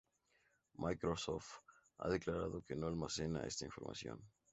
Microsoft ha declarado que no almacena esta información.